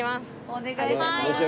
お願いしまーす！